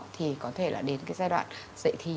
thì có thể là đến cái giai đoạn dạy thì